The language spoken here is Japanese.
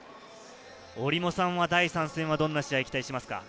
折茂さんは第３戦はどんな試合を期待しますか？